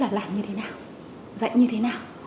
là làm như thế nào dạy như thế nào